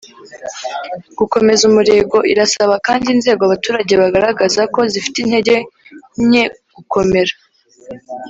gukomeza umurego Irasaba kandi inzego abaturage bagaragaza ko zifite intege nke gukomera